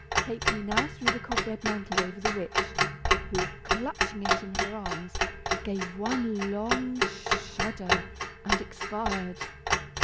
Ha'penny now threw the cobweb mantle over the witch, who, clutching it in her arms, gave one long shudder and expired.